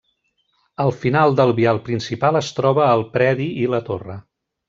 Al final del vial principal es troba el predi i la torre.